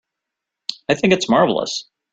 I think it's marvelous.